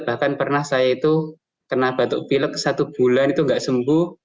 bahkan pernah saya itu kena batuk pilek satu bulan itu nggak sembuh